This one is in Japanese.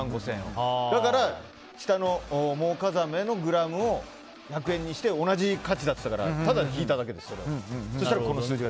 だからモウカザメのグラムを１００円にして同じ価値だって言ったからただ引いただけです。